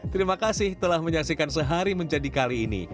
terima kasih telah menyaksikan sehari menjadi kali ini